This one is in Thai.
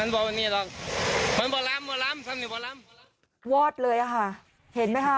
วอดเลยอ่ะค่ะเห็นไหมคะ